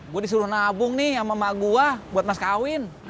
gue disuruh nabung nih sama mbak gua buat mas kawin